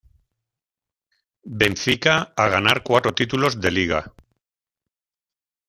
Benfica a ganar cuatro títulos de liga.